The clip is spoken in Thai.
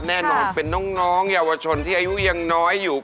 แน่นอนเป็นน้องเยาวชนที่อายุยังน้อยอยู่